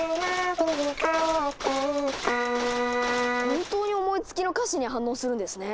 本当に思いつきの歌詞に反応するんですね！